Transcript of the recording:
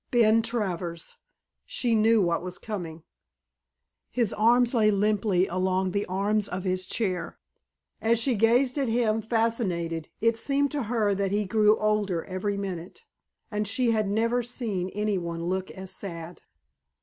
Ben Travers! She knew what was coming. His arms lay limply along the arms of his chair. As she gazed at him fascinated it seemed to her that he grew older every minute. And she had never seen any one look as sad.